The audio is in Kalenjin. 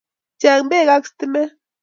Chei Bek ak stimet